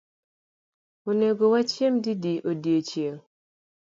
Onego wachiem didi odiechieng’?